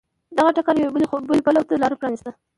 دغه ټکر یوې بلې بلوا ته لار پرانېسته.